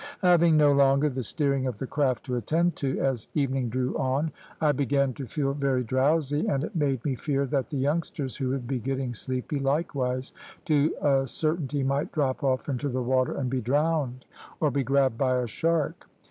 "Having no longer the steering of the craft to attend to, as evening drew on I began to feel very drowsy, and it made me fear that the youngsters, who would be getting sleepy, likewise, to a certainty might drop off into the water and be drowned, or be grabbed by a shark.